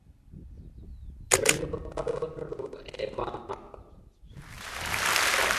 ঘরের নিরাপত্তাব্যবস্থাএ ব্যবস্থার মাধ্যমে মুঠোফোনে সহজেই নির্দিষ্ট ঘরের ওপর নজর রাখা যায়।